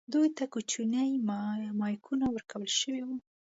دوی ته کوچني مایکونه ورکړل شوي وو.